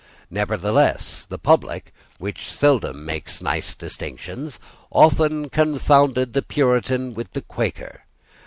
Nevertheless the public, which seldom makes nice distinctions, often confounded the Puritan with the Quaker.